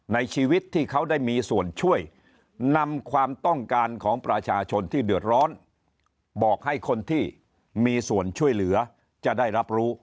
ในชีวิตที่เขาได้มีส่วนช่วยนำความต้องการของประชาชนที่เดือดร้อนบอกให้คนที่มีส่วนช่วยเหลือจะได้รับรู้